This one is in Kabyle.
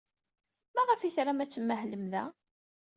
Maɣef ay tram ad tmahlem da?